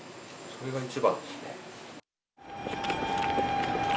それが一番ですね。